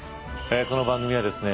この番組はですね